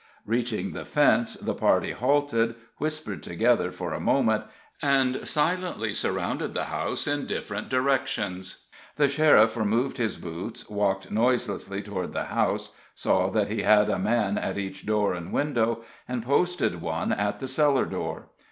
Reaching the fence, the party halted, whispered together for a moment, and silently surrounded the house in different directions. The sheriff removed his boots, walked noiselessly around the house, saw that he had a man at each door and window, and posted one at the cellar door.